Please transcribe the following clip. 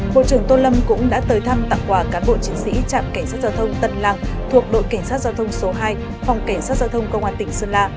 bộ trưởng tô lâm cũng đã tới thăm tặng quà cán bộ chiến sĩ trạm cảnh sát giao thông tân lăng thuộc đội cảnh sát giao thông số hai phòng cảnh sát giao thông công an tỉnh sơn la